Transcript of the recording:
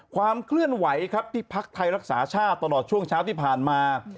ความเคลื่อนไหวครับที่พักไทยรักษาชาติตลอดช่วงเช้าที่ผ่านมา